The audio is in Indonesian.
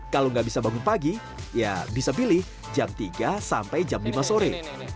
kalau nggak bisa bangun pagi ya bisa pilih jam tiga sampai jam lima sore